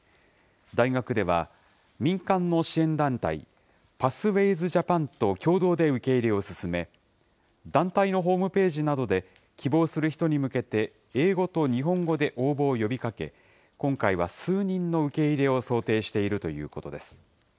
大学では、民間の支援団体、パスウェイズ・ジャパンと共同で受け入れを進め、団体のホームページなどで、希望する人に向けて、英語と日本語で応募を呼びかけ、今回は数人の受け入れを想定しているということです。